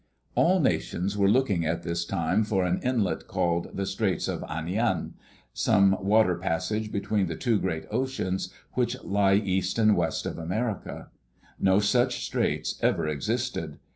All nations were looking at this time for an inlet called the "Straits of Anian" — some water passage between the two great oceans which lie east and west of America. No such straits ever existed.